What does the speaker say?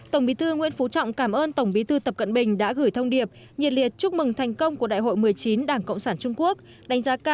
tổng bí thư nguyễn phú trọng cảm ơn tổng bí thư tập cận bình đã gửi thông điệp nhiệt liệt chúc mừng thành công của đại hội một mươi chín đảng cộng sản trung quốc